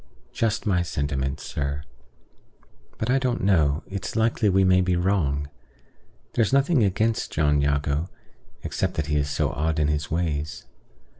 "Just my sentiments, sir. But I don't know: it's likely we may be wrong. There's nothing against John Jago, except that he is so odd in his ways.